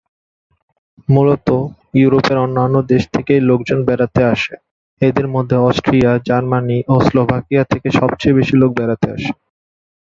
মূলত ইউরোপের অন্যান্য দেশ থেকেই লোকজন বেড়াতে আসে; এদের মধ্যে অস্ট্রিয়া, জার্মানি ও স্লোভাকিয়া থেকে সবচেয়ে বেশি লোক বেড়াতে আসে।